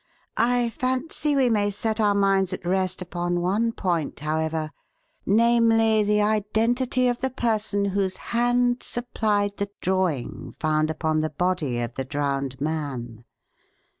I fancy we may set our minds at rest upon one point, however, namely, the identity of the person whose hand supplied the drawing found upon the body of the drowned man.